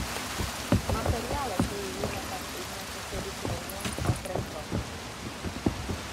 Materiale tiu juna patrino posedis nenion, aŭ preskaŭ nenion.